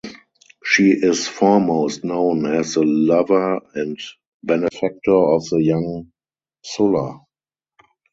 She is foremost known as the lover and benefactor of the young Sulla.